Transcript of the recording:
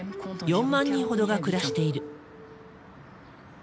４万人ほどが暮らしている。